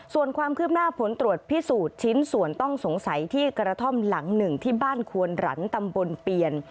ส่วนความคืบหน้าผลตรวจพิสูจน์ชิ้นส่วนต้องสงสัยที่กระท่อมหลังหนึ่งที่บ้านควนหลันตำบลเปียน